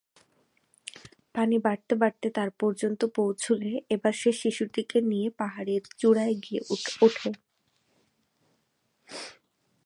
পানি বাড়তে বাড়তে তার পর্যন্ত পৌঁছুলে এবার সে শিশুটিকে নিয়ে পাহাড়ের চূড়ায় গিয়ে ওঠে।